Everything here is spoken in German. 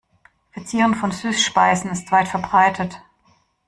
Verzieren von Süßspeisen ist weit verbreitet.